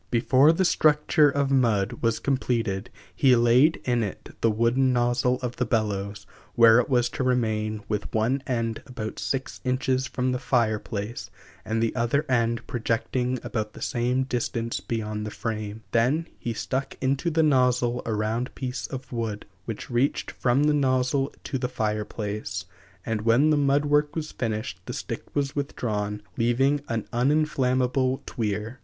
Before the structure of mud was completed he laid in it the wooden nozzle of the bellows, where it was to remain, with one end about six inches from the fire place, and the other end projecting about the same distance beyond the frame; then he stuck into the nozzle a round piece of wood, which reached from the nozzle to the fire place, and when the mud work was finished the stick was withdrawn, leaving an uninflammable tweer.